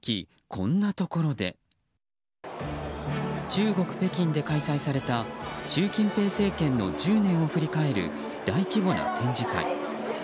中国・北京で開催された習近平政権の１０年を振り返る大規模な展示会。